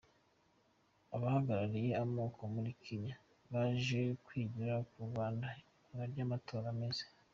Abahagarariye amoko muri Kenya baje kwigira ku Rwanda ibanga ry’amatora meza